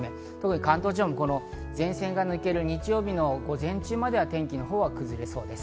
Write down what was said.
関東地方も前線が抜ける日曜日の午前中までは天気が崩れそうです。